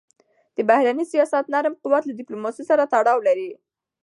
د بهرني سیاست نرم قوت له ډیپلوماسی سره تړاو لري.